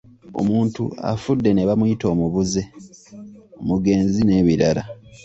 Omuntu afudde ne bamuyita omubuze, omugenzi n'ebirala.